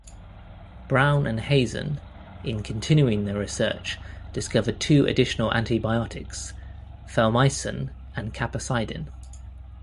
Brown and Hazen, in continuing their research, discovered two additional antibiotics-phalmycin and capacidin.